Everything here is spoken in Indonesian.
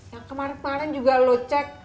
yang kemarin kemarin juga lo cek